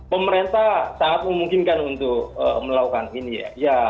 pemerintah sangat memungkinkan untuk melakukan ini ya